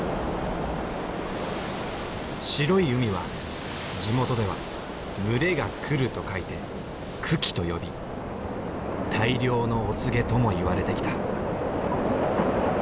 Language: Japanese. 白い海は地元では群れが来ると書いて群来と呼び大漁のお告げとも言われてきた。